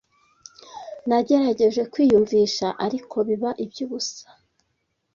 Nagerageje kwiyumvisha, ariko biba iby'ubusa.